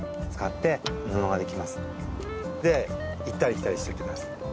で行ったり来たりしていってください。